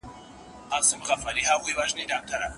استاد به په سمینار کي خپله وینا اوروي.